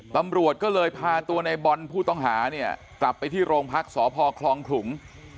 ตำรวจก็เลยพาตัวในบอลผู้ต้องหาเนี่ยกลับไปที่โรงพักษพคลองขลุง